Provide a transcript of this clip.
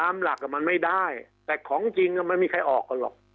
อ๎มหลักอะมันไม่ได้แต่ของจริงแล้วมันไม่มีใครออกกันหรอก